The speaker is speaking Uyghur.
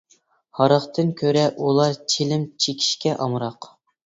ھاراقتىن كۆرە ئۇلار چىلىم چېكىشكە ئامراق.